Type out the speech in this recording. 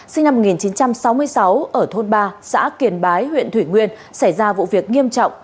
sinh năm một nghìn chín trăm sáu mươi sáu ở thôn ba xã kiềng bái huyện thủy nguyên xảy ra vụ việc nghiêm trọng